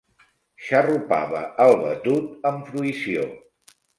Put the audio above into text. Xarrupava el batut amb fruïció.